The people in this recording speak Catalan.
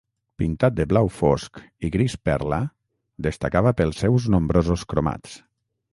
Pintat de blau fosc i gris perla, destacava pels seus nombrosos cromats.